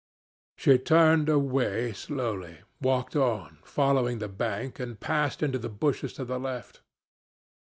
"She turned away slowly, walked on, following the bank, and passed into the bushes to the left.